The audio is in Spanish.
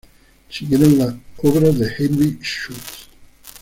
Siguieron las obras de Heinrich Schütz.